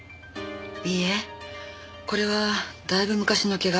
いいえこれはだいぶ昔の怪我。